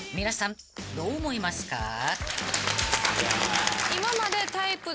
［皆さんどう思いますか？］